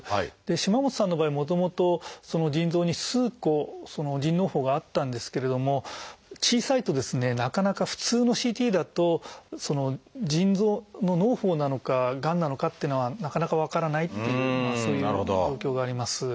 島本さんの場合もともと腎臓に数個腎のう胞があったんですけれども小さいとですねなかなか普通のＣＴだと腎臓ののう胞なのかがんなのかっていうのはなかなか分からないっていうそういう状況があります。